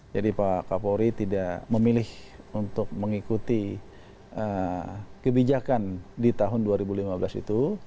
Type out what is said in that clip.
jadi pak kapol ri tidak memilih untuk mengikuti kebijakan di tahun dua ribu lima belas itu